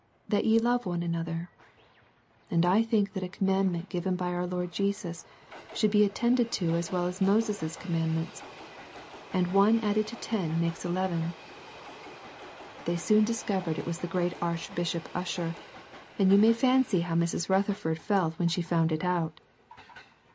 That ye love one another ;' and I think that a commandment given by our Lord Jesus should be attended to as well as Moses* commandments, — ^and one added to ten makes eleven." They soon discovered it was the great Archbishop Usher, and you may fancy how Mrs. Rutherford felt when she found it out